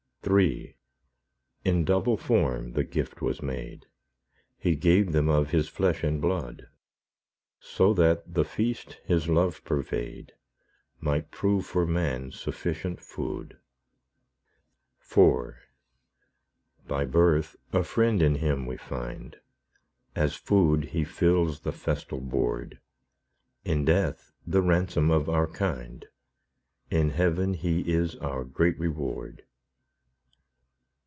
III In double form the gift was made; He gave them of His flesh and blood, That so the feast His love purveyed, Might prove for man sufficient food. IV By birth a friend in Him we find; As food He fills the festal board; In death the ransom of our kind; In heaven He is our great reward.